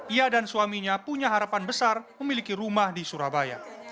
ia dan suaminya punya harapan besar memiliki rumah di surabaya